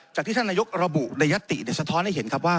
จากที่ท่านนายกระบุในยัตติสะท้อนให้เห็นครับว่า